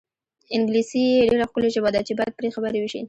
انګلیسي ډېره ښکلې ژبه ده چې باید پرې خبرې وشي.